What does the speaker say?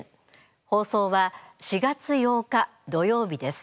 放送は４月８日土曜日です。